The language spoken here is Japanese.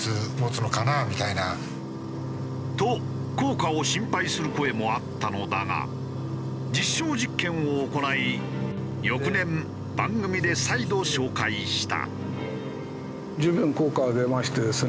と効果を心配する声もあったのだが実証実験を行い翌年番組で再度紹介した。